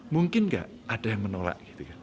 mungkin nggak ada yang menolak